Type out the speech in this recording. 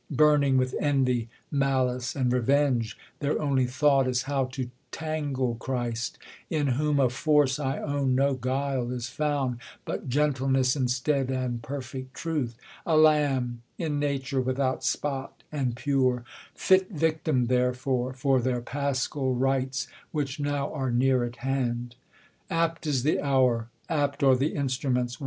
Burning with envy, malice, and revenge^ Their only t}>(5ught is how to tangle Christ, In whom of force I own no guile is found, But gentleness instead, and perfect truth ; A iamb in nature without spot and pure ; Fit victim therefore for their Paschal rites, Which now rsre near at hand : apt is the hour, Apt are the instrumCxits.